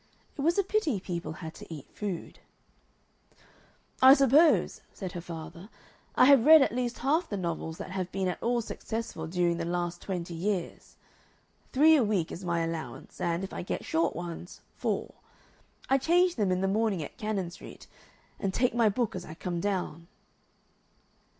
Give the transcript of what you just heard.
It was a pity people had to eat food. "I suppose," said her father, "I have read at least half the novels that have been at all successful during the last twenty years. Three a week is my allowance, and, if I get short ones, four. I change them in the morning at Cannon Street, and take my book as I come down."